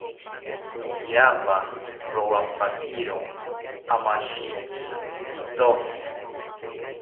Tyapa rowapakiro amashiki ithoki